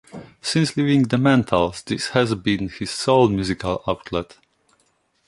Since leaving the Mentals this has been his sole musical outlet.